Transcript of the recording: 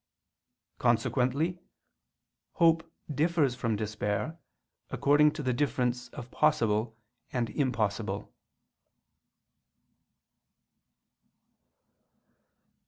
Consequently hope differs from despair according to the difference of possible and impossible.